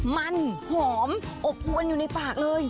มันหอมอบอวนอยู่ในปากเลย